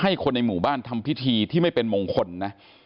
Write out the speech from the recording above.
คนในหมู่บ้านทำพิธีที่ไม่เป็นมงคลนะ